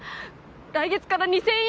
来月から２０００円